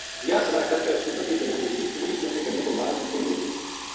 یاہ صلاح کر کے اس نے بکری گلیاں پو شیک چھُڑی کیوں جے گلیاں پو مال بھُکھو نیہہ ہوتو